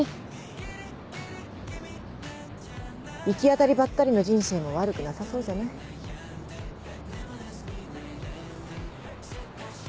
行き当たりばったりの人生も悪くなさそうじゃない。